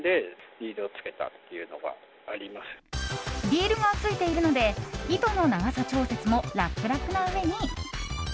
リールがついているので糸の長さ調節も楽々なうえに。